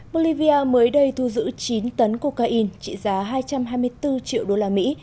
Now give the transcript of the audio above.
bolivia mới đây thu giữ chín tấn cocaine trị giá hai trăm hai mươi bốn triệu đô la mỹ